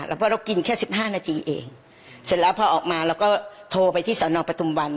เพราะเรากินแค่สิบห้านาทีเองเสร็จแล้วพอออกมาเราก็โทรไปที่สอนอปทุมวัน